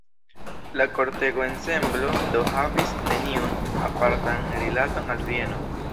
La kortego-ensemblo do havis neniun apartan rilaton al Vieno.